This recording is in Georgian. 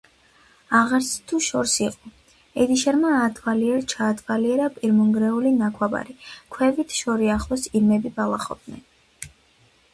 – აღარცთუ შორს იყო. ედიშერმა აათვალიერ-ჩაათვალიერა პირმონგრეული ნაქვაბარი, ქვევით, შორიახლოს, ირმები ბალახობდნენ.